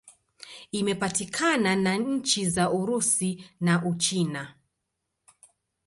Imepakana na nchi za Urusi na Uchina.